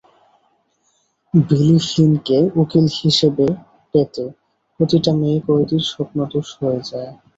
বিলি ফ্লিনকে উকিল হিসেবে পেতে, প্রতিটা মেয়ে কয়েদীর স্বপ্নদোষ হয়ে যায়।